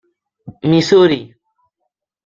Missouri.